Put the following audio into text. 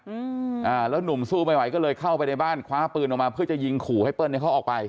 อืมอ่าแล้วหนุ่มสู้ไม่ไหวก็เลยเข้าไปในบ้านคว้าปืนออกมาเพื่อจะยิงขู่ให้เปิ้ลเนี้ยเขาออกไป